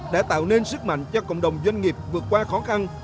đã tạo nên sức mạnh cho cộng đồng doanh nghiệp vượt qua khó khăn